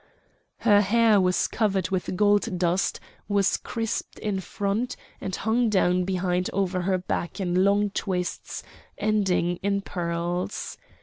Her hair was covered with gold dust, was crisped in front, and hung down behind over her back in long twists ending in pearls.